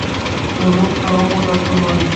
তা লোকটা অপদার্থ নয়।